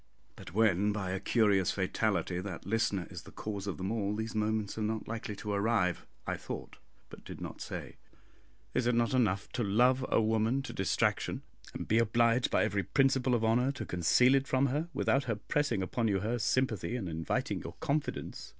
"But when, by a curious fatality, that listener is the cause of them all, these moments are not likely to arrive," I thought, but did not say. Is it not enough to love a woman to distraction, and be obliged by every principle of honour to conceal it from her, without her pressing upon you her sympathy, and inviting your confidence?